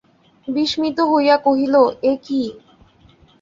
বিস্মিত হইয়া কহিল, এ কী?